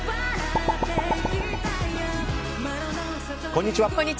こんにちは。